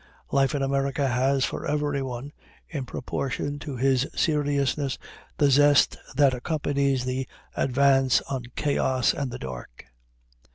Life in America has for everyone, in proportion to his seriousness, the zest that accompanies the "advance on Chaos and the Dark."